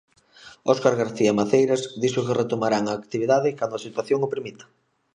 Óscar García Maceiras dixo que retomarán a actividade cando a situación o permita.